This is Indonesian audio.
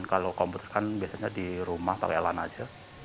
kalau komputer kan biasanya di rumah pakai lan saja